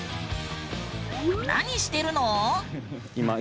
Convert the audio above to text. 何してるの？